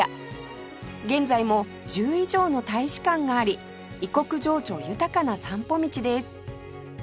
現在も１０以上の大使館があり異国情緒豊かな散歩道です